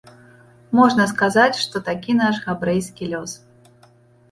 Можна сказаць, што такі наш габрэйскі лёс.